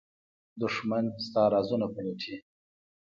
دښمن ستا رازونه پلټي